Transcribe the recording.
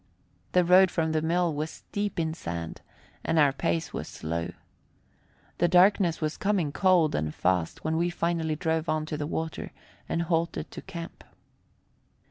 The road from the mill was deep in sand, and our pace was slow. The darkness was coming cold and fast when we finally drove on to the water and halted to camp.